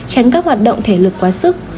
tránh các hoạt động thể lực quá sức